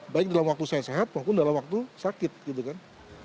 baik dalam waktu saya sehat maupun dalam waktu sakit gitu kan